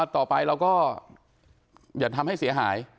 ต่อไปเราก็อย่าทำให้เสียหาย